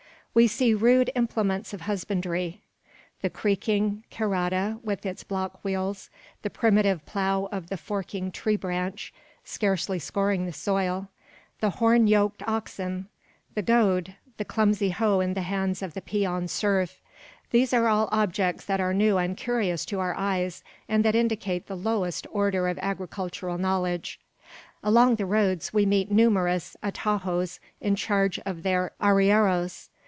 We see rude implements of husbandry: the creaking carreta, with its block wheels; the primitive plough of the forking tree branch, scarcely scoring the soil; the horn yoked oxen; the goad; the clumsy hoe in the hands of the peon serf: these are all objects that are new and curious to our eyes, and that indicate the lowest order of agricultural knowledge. Along the roads we meet numerous atajos, in charge of their arrieros.